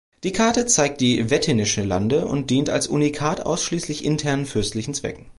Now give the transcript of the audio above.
Die Karte zeigt die wettinischen Lande und diente als Unikat ausschließlich internen fürstlichen Zwecken.